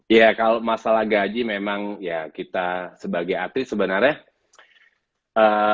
ya kalau masalah gaji memang ya kita sebagai atlet sebenarnya